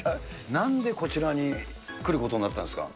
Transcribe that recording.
なんでこちらに来ることになったんですか。